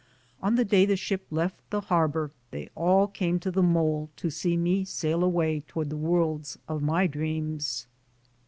On the day the ship left the harbor they all came to the mole to see me sail away toward the worlds of my dreams.